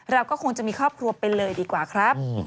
เราก็คงจะมีครอบครัวไปเลยดีกว่าครับ